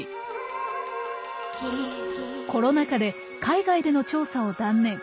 コロナ禍で海外での調査を断念。